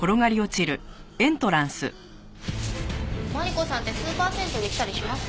マリコさんってスーパー銭湯に来たりします？